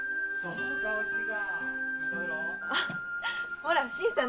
ほら新さん。